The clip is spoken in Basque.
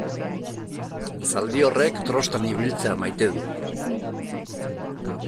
Zaldi horrek trostan ibiltzea maite du.